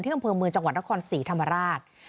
อำเภอเมืองจังหวัดนครศรีธรรมราช